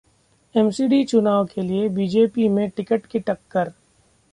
MCD चुनाव के लिए बीजेपी में टिकट की टक्कर